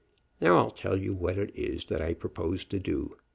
Now I'll tell you what it is that I propose to do.